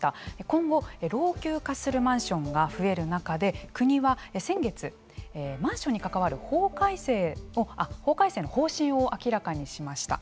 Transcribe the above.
今後、老朽化するマンションが増える中で国は先月マンションに関わる法改正の方針を明らかにしました。